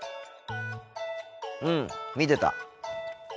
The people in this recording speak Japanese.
うん見てた。